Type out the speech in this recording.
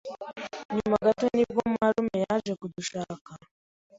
Nyuma gato nibwo marume yaje kudushaka